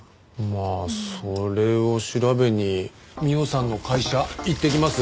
まあそれを調べに美緒さんの会社行ってきます。